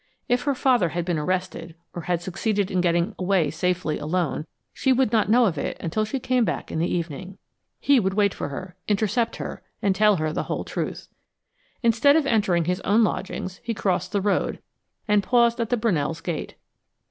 If her father had been arrested, or had succeeded in getting away safely alone, she would not know of it until she came back in the evening. He would wait for her, intercept her, and tell her the whole truth. Instead of entering his own lodgings, he crossed the road, and paused at the Brunells' gate.